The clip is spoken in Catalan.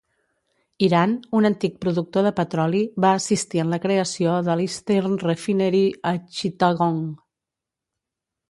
Iran, un antic productor de petroli, va assistir en la creació de l'Eastern Refinery a Chittagong.